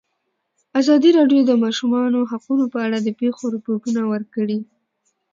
ازادي راډیو د د ماشومانو حقونه په اړه د پېښو رپوټونه ورکړي.